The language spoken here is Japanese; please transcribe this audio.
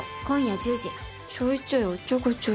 今夜１０時。